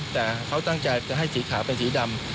แต่เขาตั้งใจจะให้สีขาวเป็นสีดำ